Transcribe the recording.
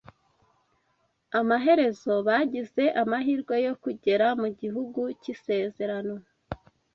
amaherezo bagize amahirwe yo kugera mu Gihugu cy’Isezerano